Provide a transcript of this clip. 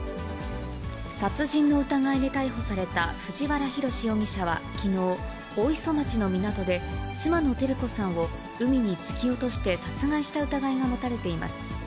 殺人の疑いで逮捕された藤原宏容疑者はきのう、大磯町の港で、妻の照子さんを海に突き落として殺害した疑いが持たれています。